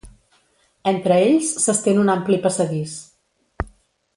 Entre ells s'estén un ampli passadís.